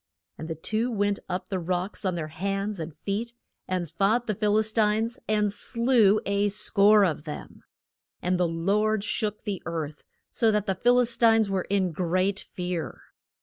And the two went up the rocks on their hands and feet, and fought with the Phil is tines, and slew a score of them. And the Lord shook the earth, so that the Phil is tines were in great fear.